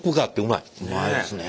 うまいですね。